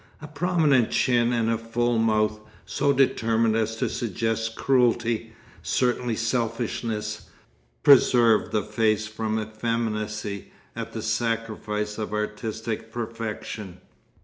A prominent chin and a full mouth, so determined as to suggest cruelty, certainly selfishness, preserved the face from effeminacy at the sacrifice of artistic perfection.